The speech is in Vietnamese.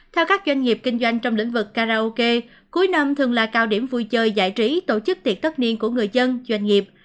theo các doanh nghiệp kinh doanh trong lĩnh vực karaoke cuối năm thường là cao điểm vui chơi giải trí tổ chức tiệc tất niên của người dân doanh nghiệp